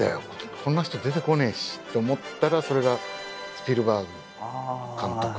こんな人出てこねえしって思ったらそれが「スピルバーグ監督」ってなってて。